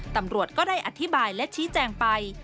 ตำรวจก็ได้อธิบายและชี้แจงไป